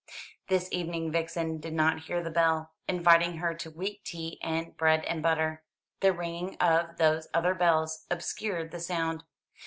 This evening Vixen did not hear the bell, inviting her to weak tea and bread and butter. The ringing of those other bells obscured the sound.